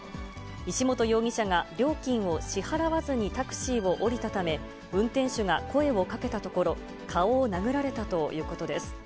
石本容疑者が料金を支払わずにタクシーを降りたため、運転手が声をかけたところ、顔を殴られたということです。